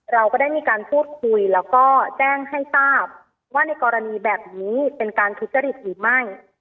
เราก็ได้มีการพูดคุยแล้วก็แจ้งให้ทราบว่าในกรณีแบบนี้เป็นการทุจริตหรือไม่